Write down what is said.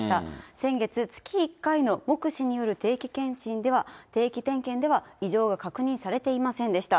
先月、月１回の目視による定期点検では、異常は確認されていませんでした。